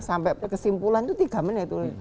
sampai kesimpulan itu tiga menit